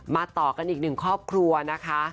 มาต่อกันอีก๑ครอบครัวนะคะ